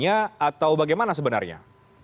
atau bagaimana sebenarnya